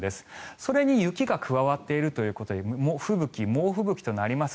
それに雪が加わっているということで吹雪、猛吹雪となります。